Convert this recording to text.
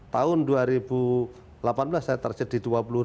tahun dua ribu delapan belas saya target di dua puluh